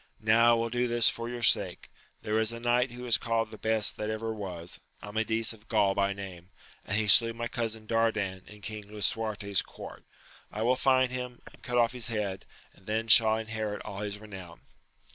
Now I will do this for your sake : there is a knight who is caUed the best that ever was, Amadis of Gaul by name, and he slew my cousin Dardan in King Lisuarte's court ; I will find him, and cut off his head, and then shall I inherit all 248 AMADIS OF GAUL, his renown.